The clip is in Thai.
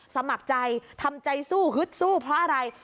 สมัครใจทำใจสู้ฮึดสู้เพราะอะไร